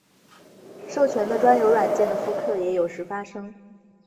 授权的专有软件的复刻也时有发生。